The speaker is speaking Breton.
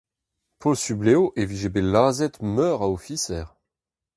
Posupl eo e vije bet lazhet meur a ofiser.